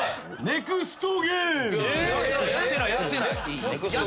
ネクストゲーム。